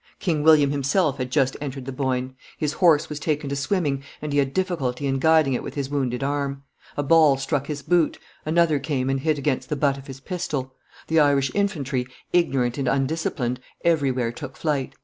King William himself had just entered the Boyne; his horse had taken to swimming, and he had difficulty in guiding it with his wounded arm; a ball struck his boot, another came and hit against the butt of his pistol; the Irish infantry, ignorant and undisciplined, everywhere took flight.